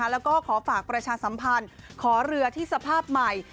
แล้วก็ขอฝากประชาสัมพันธ์ขอเรือที่สภาพใหม่